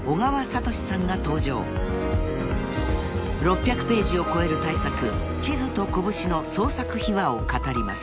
［６００ページを超える大作『地図と拳』の創作秘話を語ります］